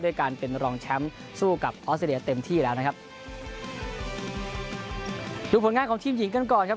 การเป็นรองแชมป์สู้กับออสเตรเลียเต็มที่แล้วนะครับดูผลงานของทีมหญิงกันก่อนครับ